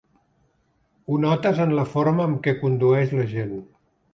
Ho notes en la forma amb què condueix la gent.